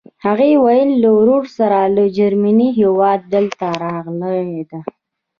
هغې ویل له ورور سره له جرمني هېواده دلته راغلې ده.